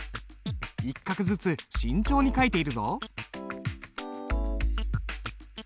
一画ずつ慎重に書いているぞ。